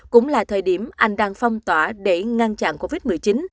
cũng là thời điểm anh đang phong tỏa để ngăn chặn covid một mươi chín